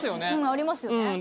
ありますよね。